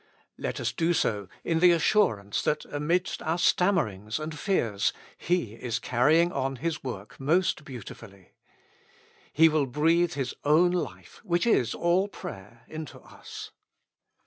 Let us do so in the assurance that amidst our stam 14 With Christ in the School of Prayer. merings and fears He is carrying on His work most beautifully. He will breathe His own life, which is all prayer, into us.